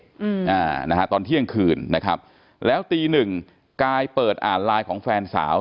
อ่านะฮะตอนเที่ยงคืนนะครับแล้วตีหนึ่งกายเปิดอ่านไลน์ของแฟนสาว